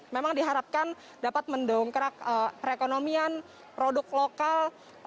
memang diharapkan dapat mendongkrak perekonomian produk lokal